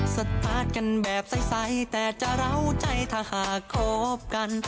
สตาร์ทกันแบบใสแต่จะเล่าใจถ้าหากคบกัน